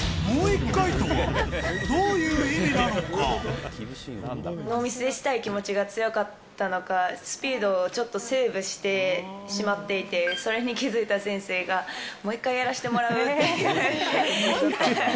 もう一回とはどういう意味なノーミスでしたい気持ちが強かったのか、スピードをちょっとセーブしてしまっていて、それに気付いた先生が、もう一回やらしてもらう？っていう。